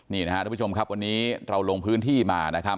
นี่นะครับทุกผู้ชมครับวันนี้เราลงพื้นที่มานะครับ